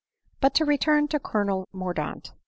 But to return to Colonel Mordaunt.